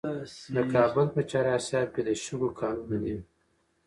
د کابل په چهار اسیاب کې د شګو کانونه دي.